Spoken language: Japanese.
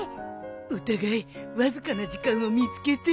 お互いわずかな時間を見つけて。